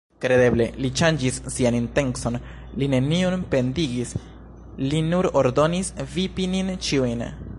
Kredeble, li ŝanĝis sian intencon, li neniun pendigis, li nur ordonis vipi nin ĉiujn.